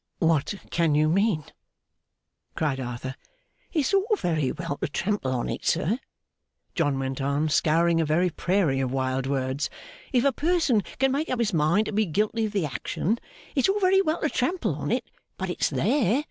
'What can you mean?' cried Arthur. 'It's all very well to trample on it, sir,' John went on, scouring a very prairie of wild words, 'if a person can make up his mind to be guilty of the action. It's all very well to trample on it, but it's there.